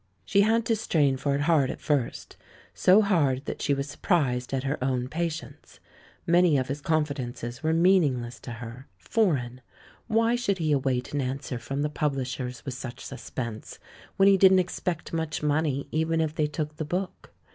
She had to strain for it hard at first — so hard that she was surprised at her own patience; many of his con fidences were meaningless to her, foreign. Why should he await an answer from the publishers with such suspense, when he didn't expect much money even if they took the book?